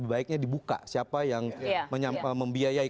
sebaiknya dibuka siapa yang membiayai